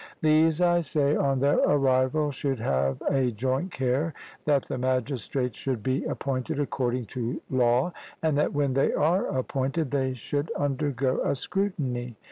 These, I say, on their arrival, should have a joint care that the magistrates should be appointed according to law, and that when they are appointed they should undergo a scrutiny.